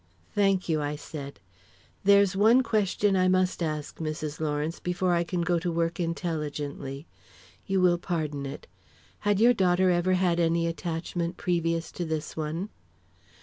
"Thank you," I said. "There's one question I must ask, Mrs. Lawrence, before I can go to work intelligently. You will pardon it. Had your daughter ever had any attachment previous to this one?"